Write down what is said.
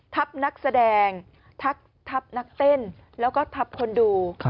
นักแสดงทัพนักเต้นแล้วก็ทับคนดู